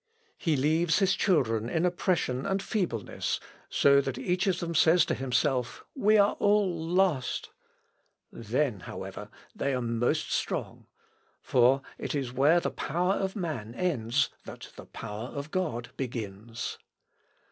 He leaves his children in oppression and feebleness, so that each of them says to himself, 'We are all lost!' Then, however, they are most strong. For it is where the power of man ends that the power of God begins.